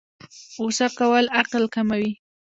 غوسه کول عقل کموي